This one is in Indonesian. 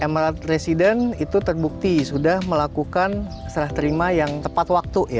emerald resident itu terbukti sudah melakukan serah terima yang tepat waktu